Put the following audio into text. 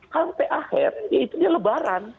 sampai akhir ya itu dia lebaran